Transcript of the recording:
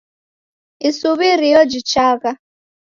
Isuw'irio jichagha.